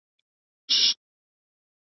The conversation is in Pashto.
په نړۍ کې میلیونونه خلک بېلابېل نظرونه لري.